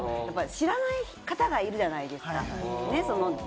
知らない方がいるじゃないですか。